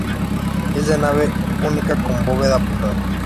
Es de nave única con bóveda apuntada.